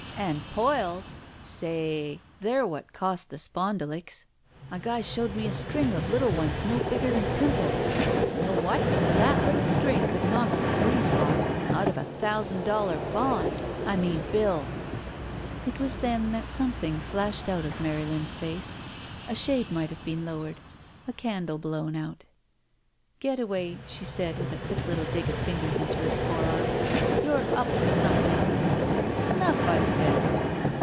And poils! Sa y, they're what cost the spondulicks. A guy showed me a string of little ones no bigger than pimples. Know what ? That little string could knock the three spots out of a thousand dollar bond — I mean bill!" It was then that something flashed out of Mary lin's face. A shade might have been lowered; a candle blown out. "Getaway," she said, with a quick little dig of fingers into his forearm, "you're up to something!" "Snuff, I said."